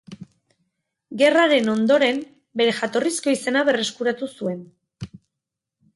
Gerraren ondoren bere jatorrizko izena berreskuratu zuen.